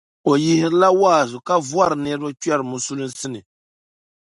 O yihirila waazu ka vɔri niriba kpɛri Musulinsi ni